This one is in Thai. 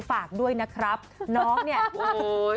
ฝากด้วยนะครับน้องเนี่ยโอ้โห